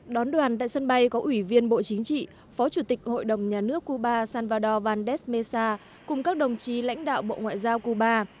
đón đoàn tại sân bay có ủy viên bộ chính trị phó chủ tịch hội đồng nhà nước cuba salvador valdes mesa cùng các đồng chí lãnh đạo bộ ngoại giao cuba